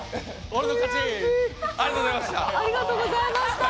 俺の勝ち、ありがとうございました。